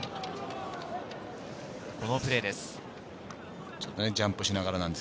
このプレーです。